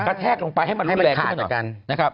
กระแทกลงไปให้มันคาดกัน